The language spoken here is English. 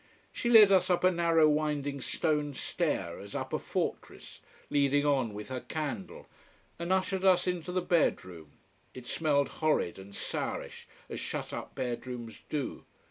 She led us up a narrow winding stone stair, as up a fortress, leading on with her candle, and ushered us into the bedroom. It smelled horrid and sourish, as shutup bedrooms do.